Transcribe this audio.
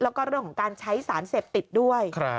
แล้วก็เรื่องของการใช้สารเสพติดด้วย